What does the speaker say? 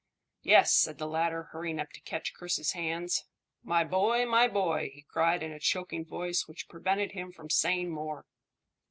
"Yes," said the latter, hurrying up to catch Chris's hand. "My boy! my boy!" he cried in a choking voice which prevented him from saying more.